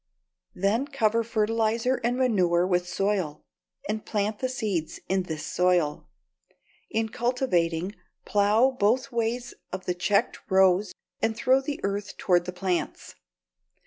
Then cover fertilizer and manure with soil, and plant the seeds in this soil. In cultivating, plow both ways of the checked rows and throw the earth toward the plants.